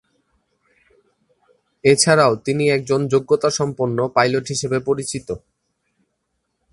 এছাড়াও তিনি একজন যোগ্যতাসম্পন্ন পাইলট হিসেবে পরিচিত।